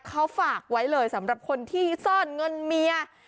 เขาฝากไว้เลยสำหรับคนที่ซ่อนเงินเมีย